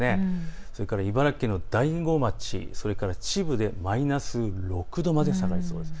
それから茨城県の大子町、それから秩父でマイナス６度まで下がりそうです。